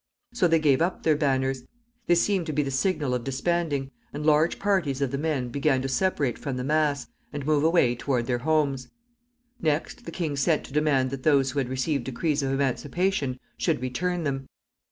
So they gave up their banners. This seemed to be the signal of disbanding, and large parties of the men began to separate from the mass, and move away toward their homes. Next, the king sent to demand that those who had received decrees of emancipation should return them.